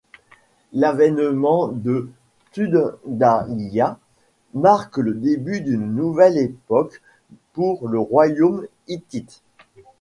L'avènement de Tudhaliya marque le début d'une nouvelle époque pour le royaume hittite.